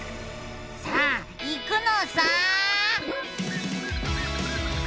さあいくのさ！